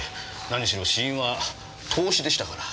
何しろ死因は凍死でしたから。